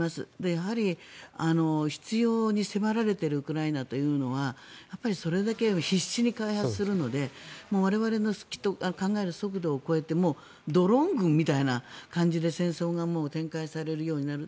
やはり、必要に迫られているウクライナというのはそれだけ必死に開発するので我々の考える速度を超えてもうドローン軍みたいな感じで戦争が展開されるようになる。